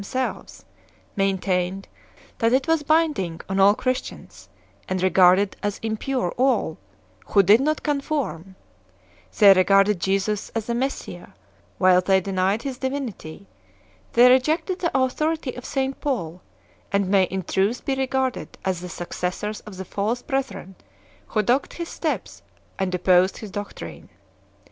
87 law themselves, maintained that it was binding on all Christians, and regarded as impure all who did not con form; they regarded Jesus as the Messiah, while they denied His Divinity; they rejected the authority of St Paul, and may in truth be regarded as the successors of the false brethren who dogged his steps and opposed his doctrine.